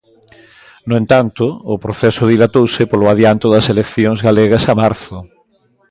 No entanto, o proceso dilatouse polo adianto das eleccións galegas a marzo.